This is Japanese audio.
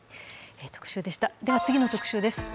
次の特集です。